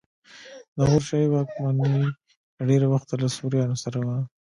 د غور شاهي واکمني له ډېره وخته له سوریانو سره وه